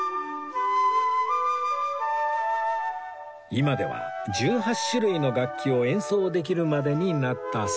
今では１８種類の楽器を演奏できるまでになったそうです